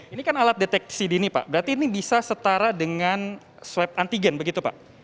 ini kan alat deteksi dini pak berarti ini bisa setara dengan swab antigen begitu pak